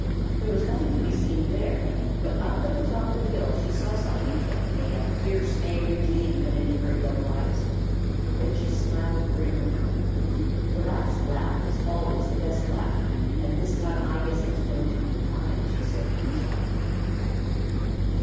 There was nothing to be seen there, but up at the top of the hill she saw something that made a fierce, angry gleam come into her yellow eyes. Then she smiled grimly. "The last laugh always is the best laugh, and this time I guess it is going to be mine," she said to herself.